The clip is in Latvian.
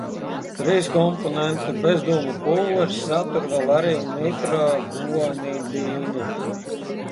Trīskomponentu bezdūmu pulveris satur vēl arī nitroguanidīnu.